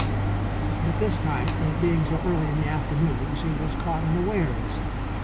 But this time, it being so early in the afternoon, she was caught unawares.